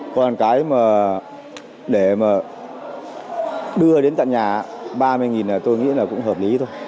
còn cái mà để mà đưa đến tận nhà ba mươi là tôi nghĩ là cũng hợp lý thôi